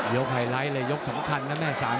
ไฮไลท์เลยยกสำคัญนะแม่สาย